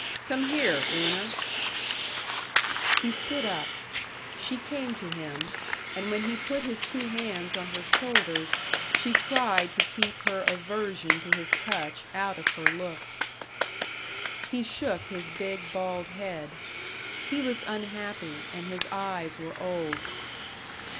Come here, Una." He stood up. She came to him, and when he put his two hands on her shoulders she tried to keep her aversion to his touch out of her look. He shook his big, bald head. He was unhappy and his eyes were old.